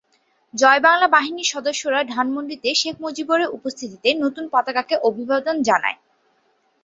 ‘জয়বাংলা বাহিনী’র সদস্যরা ধানমন্ডিতে শেখ মুজিবের উপস্থিতিতে নতুন পতাকাকে অভিবাদন জানায়।